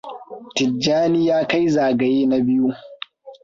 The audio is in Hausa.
Tijjani ya kai zagaye na biyu.